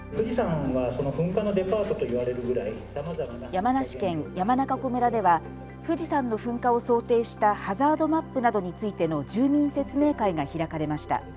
山梨県山中湖村では富士山の噴火を想定したハザードマップなどについての住民説明会が開かれました。